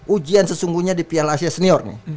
ujian sesungguhnya di piala asia senior nih